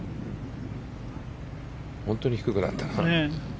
本当に低くなったな。